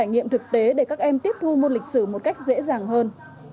trải nghiệm thực tế để các em tiếp thu môn lịch sử một cách dễ dàng hơn